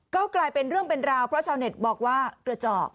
ก็กลายเป็นเรื่องเป็นราวเพราะชาวเน็ตบอกว่ากระเจาะ